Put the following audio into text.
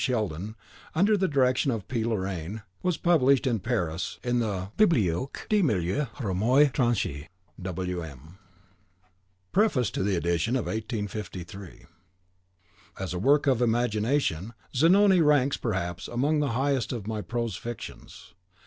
Sheldon under the direction of P. Lorain, was published in Paris in the "Bibliotheque des Meilleurs Romans Etrangers." W.M. PREFACE TO THE EDITION OF 1853. As a work of imagination, "Zanoni" ranks, perhaps, amongst the highest of my prose fictions.